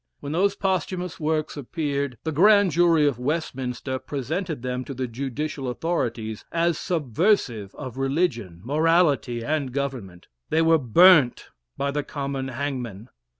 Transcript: When those posthumous works appeared, the grand jury of Westminster presented them to the judicial authorities as subversive of religion, morality, and government. They were burnt by the common hangman.